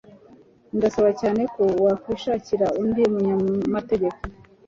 Ndasaba cyane ko wakwishakira undi munyamategeko